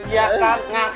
ya kan ngaku aja